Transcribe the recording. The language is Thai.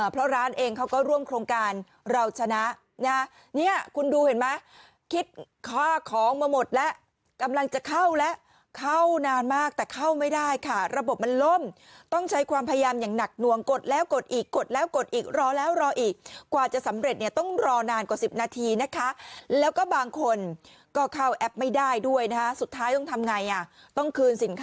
เพราะร้านเองเขาก็ร่วมโครงการเราชนะนะเนี่ยคุณดูเห็นไหมคิดค่าของมาหมดแล้วกำลังจะเข้าแล้วเข้านานมากแต่เข้าไม่ได้ค่ะระบบมันล่มต้องใช้ความพยายามอย่างหนักนวงกดแล้วกดอีกกดแล้วกดอีกรอแล้วรออีกกว่าจะสำเร็จเนี่ยต้องรอนานกว่า๑๐นาทีนะคะแล้วก็บางคนก็เข้าแอปไม่ได้ด้วยนะคะสุดท้ายต้องทำไงอ่ะต้องคืนสินค้า